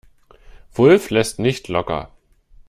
Wulff lässt nicht locker.